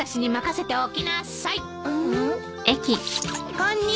こんにちは。